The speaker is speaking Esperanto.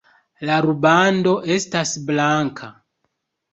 La rubando estas blanka.